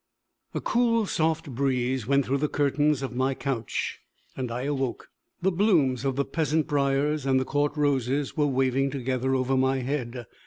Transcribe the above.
A cool soft breeze went through the curtains of my couch, and I awoke. The blooms of the peasant briars and the court roses were waving together over my head.